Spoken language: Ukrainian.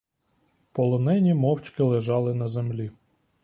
Полонені мовчки лежали на землі.